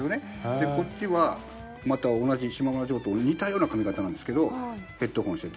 でこっちはまた同じ島村ジョーと似たような髪形なんですけどヘッドホンしてて。